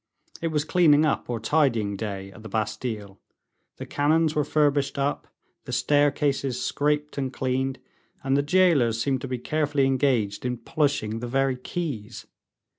It was cleaning up or tidying day at the Bastile; the cannons were furbished up, the staircases scraped and cleaned; and the jailers seemed to be carefully engaged in polishing the very keys.